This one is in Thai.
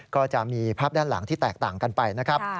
ก็จะมีภาพด้านหลังที่แตกต่างกันไปนะครับ